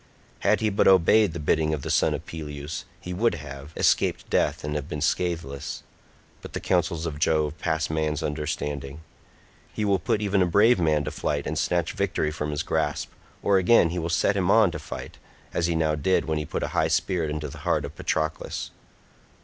Had he but obeyed the bidding of the son of Peleus, he would have escaped death and have been scatheless; but the counsels of Jove pass man's understanding; he will put even a brave man to flight and snatch victory from his grasp, or again he will set him on to fight, as he now did when he put a high spirit into the heart of Patroclus.